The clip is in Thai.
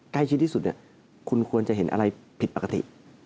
ใกล้ชิดที่สุดคุณควรจะเห็นอะไรผิดปกติ